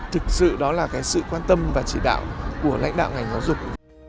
thực sự đó là sự quan tâm và chỉ đạo của lãnh đạo ngành giáo dục